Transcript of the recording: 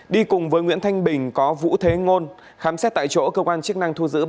đi cùng với nguyễn thanh bình có vũ thế ngôn khám xét tại chỗ cơ quan chức năng thu giữ